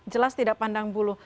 jelas tidak pandang bulu